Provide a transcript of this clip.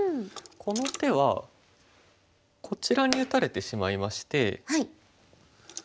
この手はこちらに打たれてしまいまして。